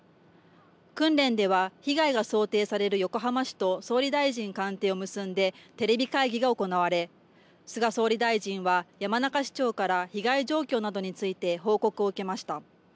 訓練では被害が想定される横浜市と総理大臣官邸を結んでテレビ会議が行われ菅総理大臣は、山中市長から被害状況などについて報告を受けました。